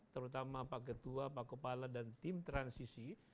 terutama pak ketua pak kepala dan tim transisi